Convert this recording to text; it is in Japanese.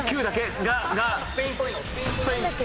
９だけ！